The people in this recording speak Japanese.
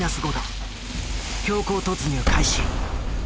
強行突入開始。